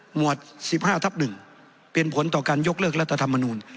หวด๑๕ทับ๑เป็นผลต่อการยกเลิกรัฐธรรมนูล